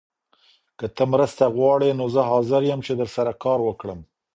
که ته مرسته غواړې نو زه حاضر یم چي درسره کار وکړم.